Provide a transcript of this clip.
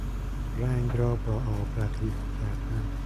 رنگ را با آب رقیق کردن